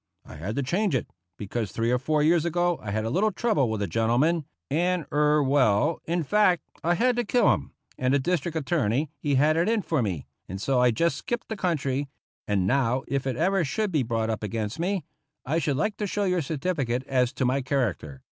I had to change it, because three or four years ago I had a little trouble with a gentleman, and — er — well, in fact, I had to kill him ; and the District Attorney, he had it in fot me, and so I just skipped the country ; and now, if it ever should be brought up against me, I should like to show your certificate as to my char acter